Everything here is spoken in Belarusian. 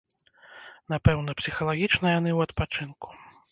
Напэўна, псіхалагічна яны ў адпачынку.